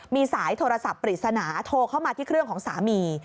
มีสายโทรศัพท์ปริศนาโทรเข้ามาที่เครื่องของสามี